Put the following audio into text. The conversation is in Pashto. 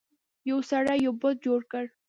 یو سړي یو بت جوړ کړ.